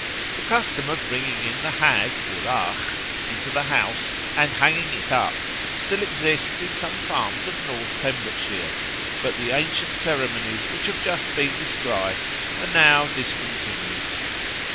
The custom of bringing in the Hag (wrach) into the house and hanging it up still exists in some farms of North Pembrokeshire, but the ancient ceremonies which have just been described are now discontinued.